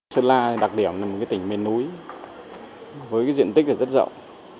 sơn la đặc điểm là một tỉnh miền núi với diện tích rất rộng